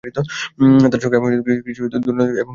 তার সঙ্গে আমি কিছু দুর্দান্ত সময় কাটাতে চাই এবং শিখতে চাই।